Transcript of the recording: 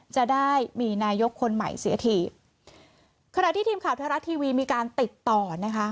จะได้มีนายกคนใหม่เสียทีขณะที่ทีมข่าวไทยรัฐทีวีมีการติดต่อนะคะ